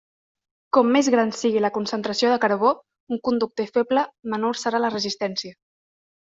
Com més gran sigui la concentració de carbó, un conductor feble, menor serà la resistència.